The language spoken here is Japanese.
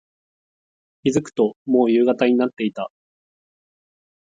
気付くと、もう夕方になっていた。